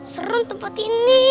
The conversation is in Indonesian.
serem tempat ini